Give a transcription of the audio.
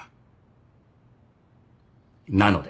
なので。